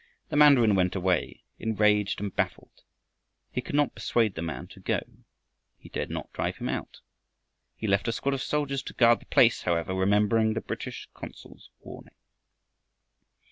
The mandarin went away enraged and baffled. He could not persuade the man to go; he dared not drive him out. He left a squad of soldiers to guard the place, however, remembering the British consul's warning.